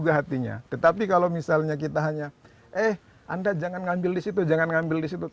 hatinya tetapi kalau misalnya kita hanya eh anda jangan ngambil di situ jangan ngambil di situ